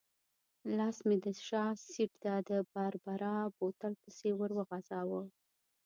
لاس مې د شا سېټ ته د باربرا بوتل پسې ورو غځاوه.